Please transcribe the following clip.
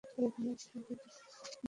এখানে চিকিৎসকদেরও দেওয়া হয় না কোনো কমিশন।